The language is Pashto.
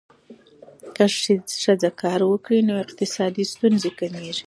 که ښځه کار وکړي، نو اقتصادي ستونزې کمېږي.